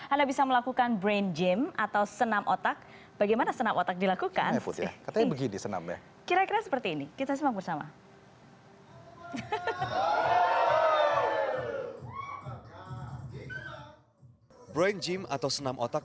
anda bisa melakukan brain gym atau senam otak